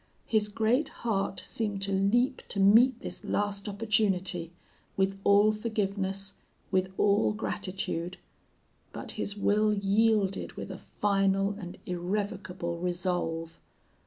His great heart seemed to leap to meet this last opportunity, with all forgiveness, with all gratitude; but his will yielded with a final and irrevocable resolve.